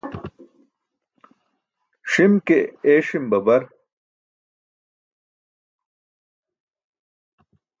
Ṣim ke eeṣim babar.